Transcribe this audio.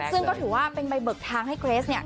ซึ่งก็ถือว่าเป็นใบเบิกทางให้เกรสเนี่ย